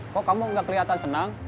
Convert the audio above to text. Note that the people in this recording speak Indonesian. kok kamu gak keliatan tenang